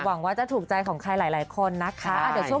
หวังว่าจะถูกใจของใครหลายคนนะคะ